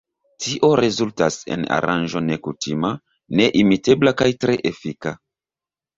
Tio rezultas en aranĝo nekutima, neimitebla kaj tre efika.